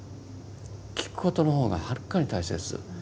聞くことの方がはるかに大切。